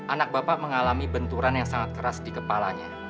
anak bapak mengalami benturan yang sangat keras di kepalanya